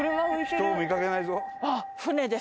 人を見かけないぞ。